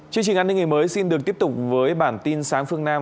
chương trình an ninh ngày mới xin được tiếp tục với bản tin sáng phương nam